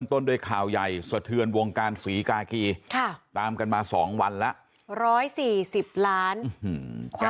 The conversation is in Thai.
ต้นด้วยข่าวใหญ่สะเทือนวงการสีกาคีตามกันมาสองวันแล้ว